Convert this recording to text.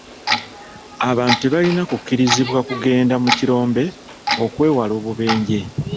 Abantu tebalina kukkirizibwa kugenda mu kirombe okwewala obubenje.